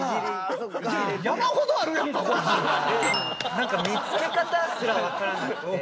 何か見つけ方すら分からなくて。